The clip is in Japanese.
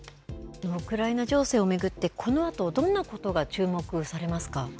ウクライナ情勢を巡って、このあと、どんなことが注目されま